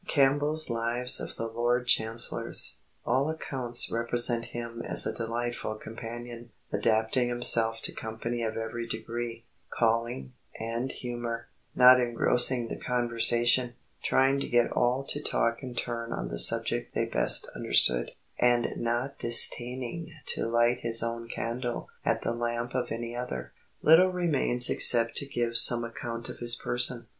[Sidenote: Campbell's Lives of the Lord Chancellors. *] "All accounts represent him as a delightful companion, adapting himself to company of every degree, calling, and humour, not engrossing the conversation, trying to get all to talk in turn on the subject they best understood, and not disdaining to light his own candle at the lamp of any other.... Little remains except to give some account of his person.